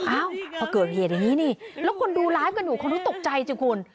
อ้าวเขาเกิดเหตุอย่างนี้นี่แล้วคนดูไลฟ์กับหนูคงตกใจจริงคุณ